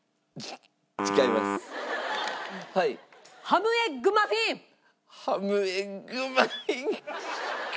ハムエッグマフィン。